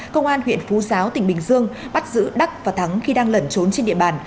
công an huyện phú giáo tỉnh bình dương bắt giữ đắc và thắng khi đang lẩn trốn trên địa bàn